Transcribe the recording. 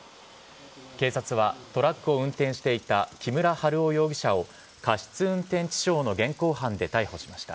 警察はトラックを運転していた木村春夫容疑者を、過失運転致傷の現行犯で逮捕しました。